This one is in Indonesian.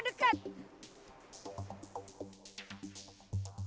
di tanpa umat